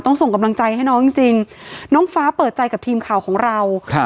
ส่งกำลังใจให้น้องจริงจริงน้องฟ้าเปิดใจกับทีมข่าวของเราครับ